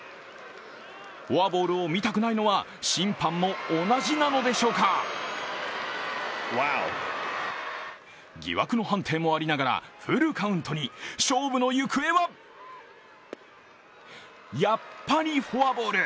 フォアボールを見たくないのは、審判も同じなのでしょうか疑惑の判定もありながらフルカウントに、勝負の行方はやっぱりフォアボール。